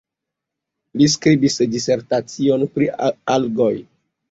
Li skribis disertacion pri algoj.